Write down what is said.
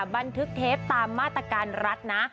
บันทึกเทปตามมาตรการรัฐนะ